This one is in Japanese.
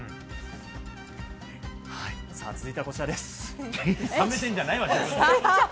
続いては、こちらです。